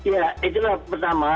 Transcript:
ya itulah pertama